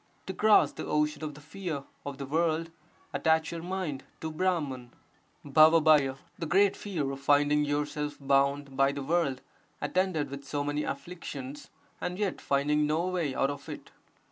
To cross the ocean (of the fear) of the world, attach your mind to Brahman. [*R^PT — the great fear of finding yourself bound by the world attended with so many afflictions and yet finding no way out of it.